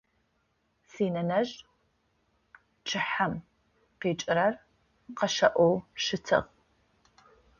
Синэнэжъ пкӏыхьэм къикӏырэр къышӏэу щытыгъ.